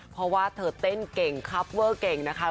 เพราะว่าเธอเต้นเก่งคับเวอร์เก่งนะคะ